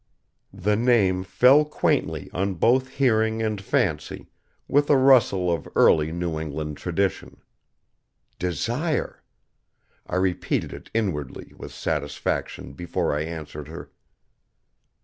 The name fell quaintly on both hearing and fancy, with a rustle of early New England tradition. Desire! I repeated it inwardly with satisfaction before I answered her.